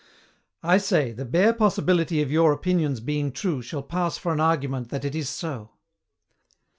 I say, the bare possibility of your opinions being true shall pass for an argument that it is so.